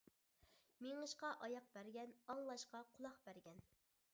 مېڭىشقا ئاياق بەرگەن، ئاڭلاشقا قۇلاق بەرگەن.